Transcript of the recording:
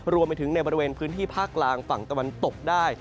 รวมไปถึงในบริเวณพื้นที่ภาคกลางฝั่งตะวันตกได้